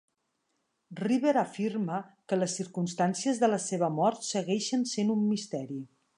Riber afirma que les circumstàncies de la seva mort segueixen sent un misteri.